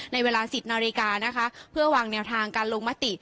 เวลา๑๐นาฬิกานะคะเพื่อวางแนวทางการลงมติ